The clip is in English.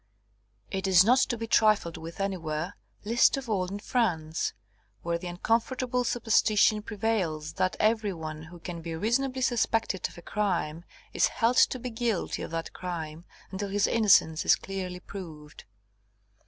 It is not to be trifled with anywhere, least of all in France, where the uncomfortable superstition prevails that every one who can be reasonably suspected of a crime is held to be guilty of that crime until his innocence is clearly proved.